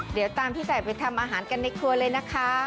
เดี๋ยวตามพี่ไก่ไปทำอาหารกันในครัวเลยนะคะ